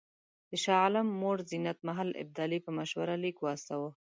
د شاه عالم مور زینت محل ابدالي په مشوره لیک واستاوه.